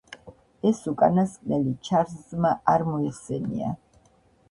ეს უკანასკნელი ჩარლზმა არ მოიხსენია.